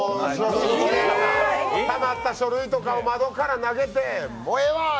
たまった書類とかを窓から投げて、もうええわーと。